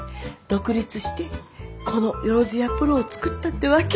独立してこのよろずやプロを作ったってわけ。